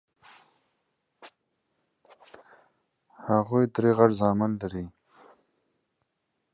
They have three grown sons.